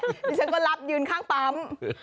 ดิฉันก็รับยืนข้างปั๊ม